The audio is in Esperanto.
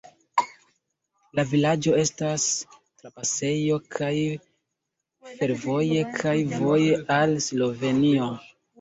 La vilaĝo estas trapasejo kaj fervoje, kaj voje al Slovenio.